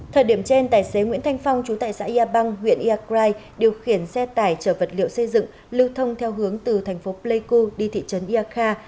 thời điểm trên tài xế nguyễn thanh phong chú tại xã ia bang huyện ia krai điều khiển xe tải chở vật liệu xây dựng lưu thông theo hướng từ thành phố pleiku đi thị trấn ia kha